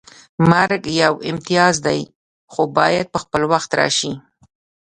مرګ یو امتیاز دی خو باید په خپل وخت راشي